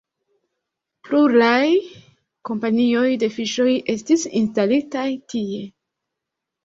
Pluraj kompanioj de fiŝoj estis instalitaj tie.